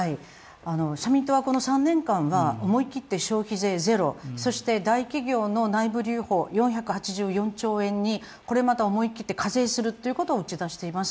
社民党は３年間は思い切って消費税０、内部留保の４８４兆円にこれまた思い切って課税するということを打ち出しています。